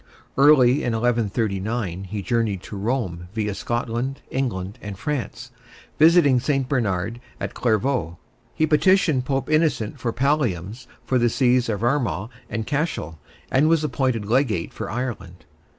Early in 1139 he journeyed to Rome, via Scotland, England, and France, visiting St. Bernard at Clairvaux. He petitioned Pope Innocent for palliums for the Sees of Armagh and Cashel, and was appointed legate for Ireland.